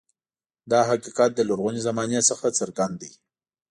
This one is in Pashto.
دا حقیقت له لرغونې زمانې څخه څرګند دی.